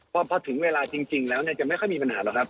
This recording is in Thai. พอถึงเวลาจริงแล้วจะไม่ค่อยมีปัญหาหรอกครับ